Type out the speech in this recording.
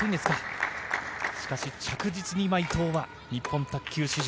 しかし、着実に伊藤は日本卓球史上